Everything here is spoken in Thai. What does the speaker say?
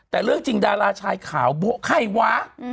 แต่เรื่องจริงดาราชายขาวโบ๊ะใครวะ